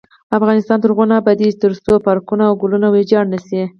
افغانستان تر هغو نه ابادیږي، ترڅو پارکونه او ګلونه ویجاړ نشي.